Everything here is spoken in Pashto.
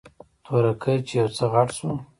تورکى چې يو څه غټ سو.